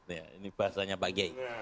ini bahasanya pak gey